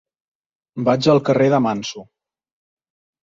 Vaig al carrer de Manso.